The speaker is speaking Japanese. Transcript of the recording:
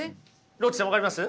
ロッチさん分かります？